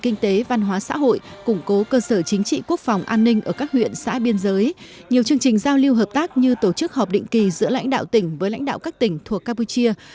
kinh tế văn hóa xã hội củng cố cơ sở chính trị quốc phòng an ninh ở các huyện xã biên giới nhiều chương trình giao lưu hợp tác như tổ chức họp định kỳ giữa lãnh đạo tỉnh với lãnh đạo các tỉnh thuộc campuchia